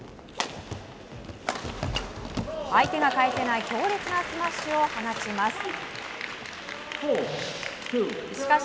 相手が返せない強烈なスマッシュを放ちます。